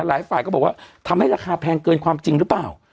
หลายฝ่ายก็บอกว่าทำให้ราคาแพงเกินความจริงหรือเปล่า